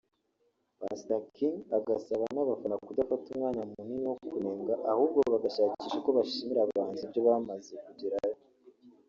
Pastor King agasaba n’abafana kudata umwanya munini mu kunenga ahubwo bagashakisha uko bashimira abahanzi ibyo bamaze kugeraho